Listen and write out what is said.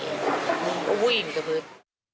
งูก็วิ่งกระพึด